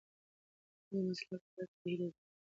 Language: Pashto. د نوي مسلک زده کړه د هیلې د زړه ارمان او هدف نه و.